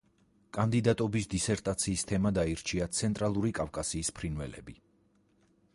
კანდიდატობის დისერტაციის თემად აირჩია „ცენტრალური კავკასიის ფრინველები“.